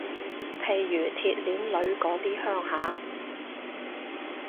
譬如鐵鍊女嗰啲鄉下